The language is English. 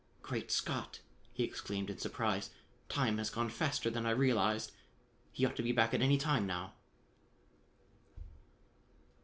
"Great Scott!" he exclaimed in surprise. "Time has gone faster than I realized. He ought to be back at any time now."